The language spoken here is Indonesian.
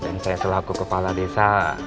dan saya setelah aku kepala desa